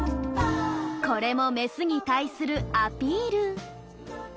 これもメスに対するアピール。